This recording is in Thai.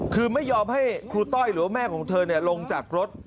คือไม่ยอมให้ครูต้อยหรือว่าแม่ของเธอลงจากรถ